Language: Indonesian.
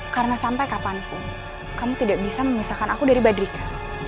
karena sampai kapanpun kamu tidak bisa memisahkan aku dari badrika